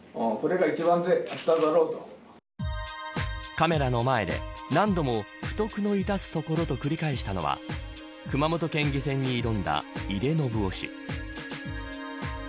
カメラの前で何度も不徳のいたすところと繰り返したのは熊本県議選に挑んだ井手順雄氏。